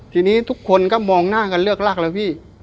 ทีนี้ทุกคนก็มองหน้ากันเลือกลากแล้วพี่